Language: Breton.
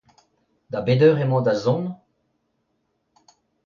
Da bet eur emañ da zont ?